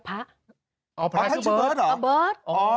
อ่อพระท่านชื่อเบิร์ตหรอ